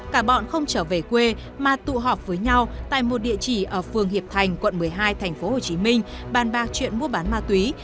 cả bọn không trở về quê mà tụ họp với nhau tại một địa chỉ ở phường hiệp thành quận một mươi hai tp hcm bàn bạc chuyện mua bán ma túy